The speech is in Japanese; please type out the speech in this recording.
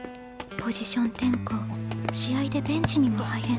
ポジション転向試合でベンチにも入れない。